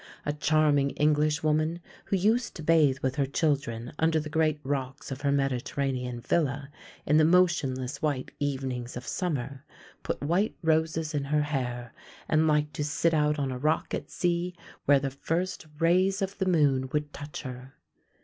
A charming Englishwoman who used to bathe with her children under the great rocks of her Mediterranean villa in the motionless white evenings of summer put white roses in her hair, and liked to sit out on a rock at sea where the first rays of the moon would touch her.